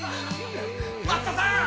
松田さん！！